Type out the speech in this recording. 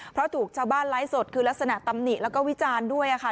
เพราะถูกชาวบ้านไลฟ์สดคือลักษณะตำหนิแล้วก็วิจารณ์ด้วยค่ะ